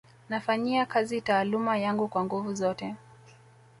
Nafanyia kazi taaluma yangu kwa nguvu zote